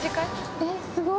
えっすごい！